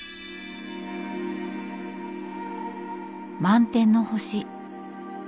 満天の星。